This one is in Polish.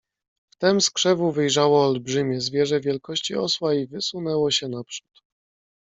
"Wtem z krzewu wyjrzało olbrzymie zwierzę wielkości osła i wysunęło się naprzód."